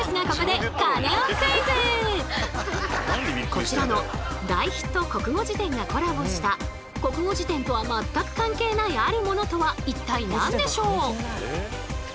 ここでこちらの大ヒット国語辞典がコラボした国語辞典とは全く関係ないあるものとは一体何でしょう？